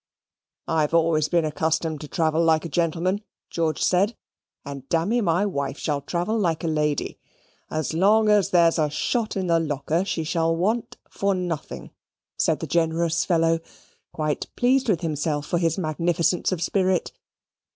"I've always been accustomed to travel like a gentleman," George said, "and, damme, my wife shall travel like a lady. As long as there's a shot in the locker, she shall want for nothing," said the generous fellow, quite pleased with himself for his magnificence of spirit.